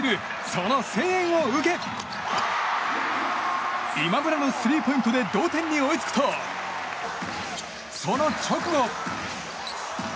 その声援を受け今村のスリーポイントで同点に追いつくとその直後！